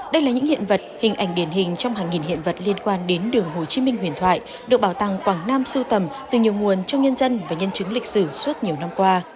đây là những hiện vật hình ảnh điển hình trong hàng nghìn hiện vật liên quan đến đường hồ chí minh huyền thoại được bảo tàng quảng nam sưu tầm từ nhiều nguồn trong nhân dân và nhân chứng lịch sử suốt nhiều năm qua